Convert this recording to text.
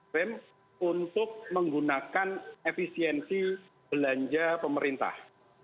rem untuk menggunakan efisiensi belanja pemerintah